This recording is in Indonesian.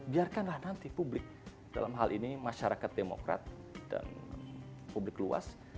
biarkanlah nanti publik dalam hal ini masyarakat demokrat dan publik luas